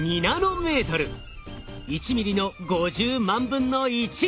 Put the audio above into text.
１ミリの５０万分の１。